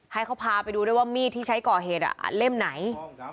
ให้เขาพาไปดูด้วยว่ามีดที่ใช้ก่อเหตุเล่มไหน